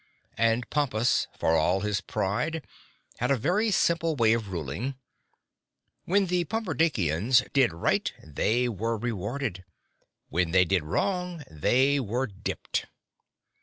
And Pompus, for all his pride, had a very simple way of ruling. When the Pumperdinkians did right they were rewarded; when they did wrong they were dipped.